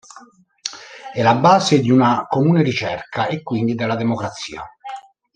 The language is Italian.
È la base di una comune ricerca, e quindi della democrazia.